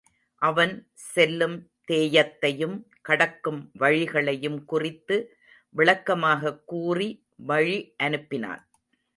அவன் செல்லும் தேயத்தையும், கடக்கும் வழிகளையும் குறித்து விளக்கமாகக் கூறி வழி அனுப்பினான்.